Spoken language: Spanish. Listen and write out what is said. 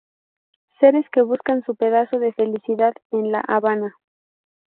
Seres que buscan su pedazo de felicidad en La Habana.